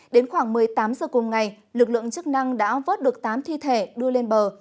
đến khoảng một mươi tám giờ cùng ngày lực lượng chức năng đã vớt được tám thi thể đưa lên bờ